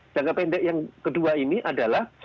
jangka pendek yang kedua ini adalah